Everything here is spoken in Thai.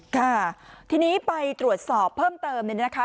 ค่ะทีนี้ไปตรวจสอบเพิ่มเติมเนี่ยนะคะ